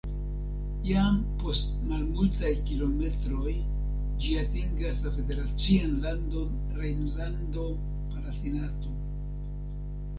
Jam post malmultaj kilometroj ĝi atingas la federacian landon Rejnlando-Palatinato.